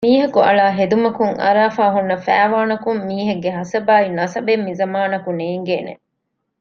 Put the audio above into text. މީހަކު އަޅާ ހެދުމަކުން އަރާފައި ހުންނަ ފައިވާނަކުން މީހެއްގެ ހަސަބާއި ނަސަބެއް މިޒަމާނަކު ނޭންގޭނެ